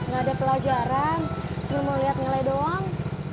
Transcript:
gak ada pelajaran cuma mau liat ngele doang